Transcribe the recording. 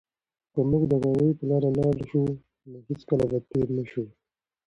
که موږ د هغوی په لاره لاړ شو، نو هېڅکله به تېرو نه شو.